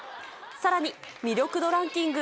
さらに魅力度ランキング